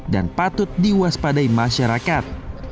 dan patut diwaspadai masyarakat